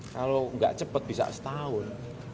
kalau nggak cepat bisa setahun